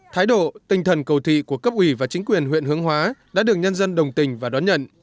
thái độ tinh thần cầu thị của cấp ủy và chính quyền huyện hướng hóa đã được nhân dân đồng tình và đón nhận